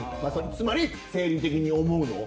つまり生理的に思うの？